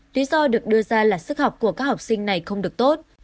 lý do được đưa ra là sức học của các học sinh này không được tốt